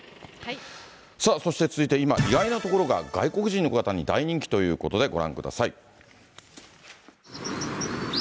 さあ、そして続いて今、意外な所が外国人の方に大人気ということで、ご覧ください。